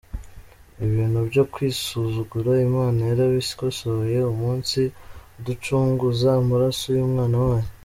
Ibi bintu byo kwisuzugura Imana yarabikosoye umunsi iducunguza amaraso y’umwana wayo.